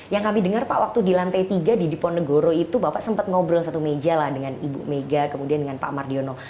yang kami dengar pak waktu di lantai tiga di diponegoro itu bapak sempat ngobrol satu meja lah dengan ibu mega kemudian dengan pak mardiono